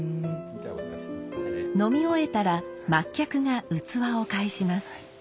飲み終えたら末客が器を返します。